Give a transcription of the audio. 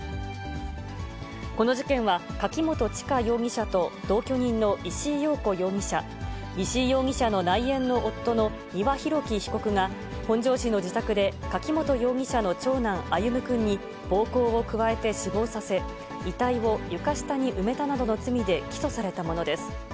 この事件は、柿本知香容疑者と、同居人の石井陽子容疑者、石井容疑者の内縁の夫の丹羽洋樹被告が、本庄市の自宅で柿本容疑者の長男、歩夢くんに暴行を加えて死亡させ、遺体を床下に埋めたなどの罪で起訴されたものです。